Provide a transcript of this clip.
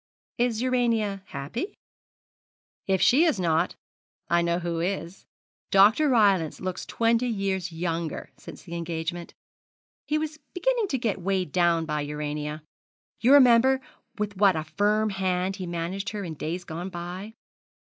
'Is Urania happy?' 'If she is not, I know who is. Dr. Rylance looks twenty years younger since the engagement. He was beginning to get weighed down by Urania. You remember with what a firm hand he managed her in days gone by!